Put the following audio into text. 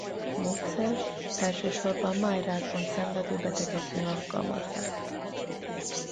A módszert elsősorban májrákban szenvedő betegeknél alkalmazzák.